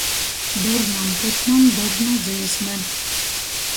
Durnam putnam durna dzīsme.